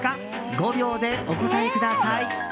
５秒でお答えください！